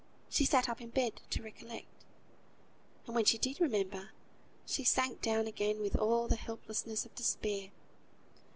She sat up in bed to recollect, and when she did remember, she sank down again with all the helplessness of despair.